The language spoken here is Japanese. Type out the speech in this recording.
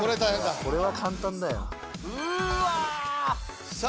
これは簡単だよ・うわさあ